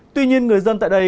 tuy nhiên người dân tại đây